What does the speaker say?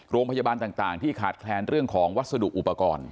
โรงพยาบาลต่างที่ขาดแคลนเรื่องของวัสดุอุปกรณ์